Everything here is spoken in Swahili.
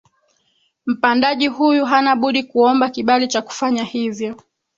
mpandaji huyu hana budi kuomba kibali cha kufanya hivyo